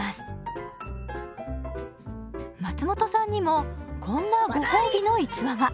松本さんにもこんなご褒美の逸話が。